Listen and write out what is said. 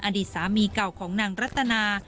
อดีตสามีเก่าของนางรัตนา